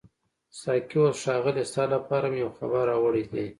ساقي وویل ښاغلیه ستا لپاره مې یو خبر راوړی دی.